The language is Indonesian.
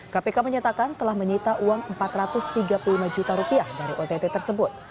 kpk menyatakan telah menyita uang empat ratus tiga puluh lima juta rupiah dari ott tersebut